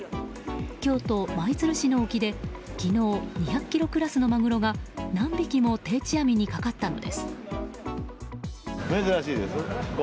京都・舞鶴市の沖で昨日２００ｋｇクラスのマグロが何匹も定置網にかかったのです。